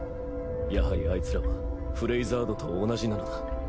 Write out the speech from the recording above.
やはりアイツらはフレイザードと同じなのだ。